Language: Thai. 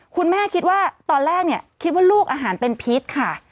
คุณแม่คิดว่าตอนแรกเนี่ยคิดว่าลูกอาหารเป็นพิษค่ะ